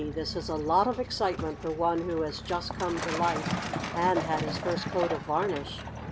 this is a lot of excitement for one who has just come to life and had his first coat of varnish!"